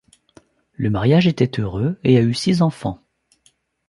Le mariage était heureux et a eu six enfants.